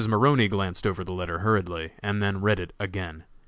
Maroney glanced over the letter hurriedly, and then read it again.